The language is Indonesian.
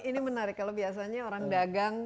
ini menarik kalau biasanya orang dagang